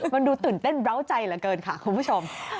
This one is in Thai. มันดูตื่นเต้นร้าวใจเหลือเกินค่ะคุณผู้ชม